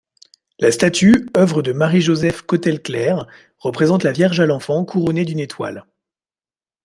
La statue, œuvre de Marie-Josephe Cotelle-Clère, représente la Vierge à l'Enfant couronnée d'une étoile.